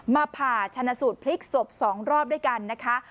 ผ่าชนะสูตรพลิกศพ๒รอบด้วยกันนะคะ